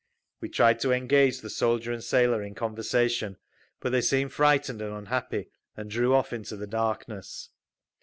We tried to engage the soldier and sailor in conversation, but they seemed frightened and unhappy, and drew off into the darkness.